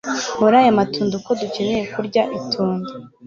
muri ayo matunda Uko dukenera kurya itunda